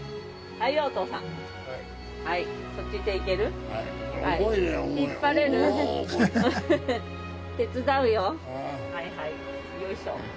はいはいよいしょ。